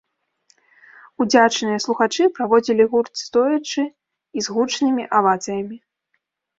Удзячныя слухачы праводзілі гурт стоячы і з гучнымі авацыямі.